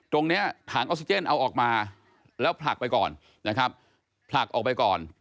ตรงนี้ถังออกซิเจนเอาออกมาแล้วผลักไปก่อน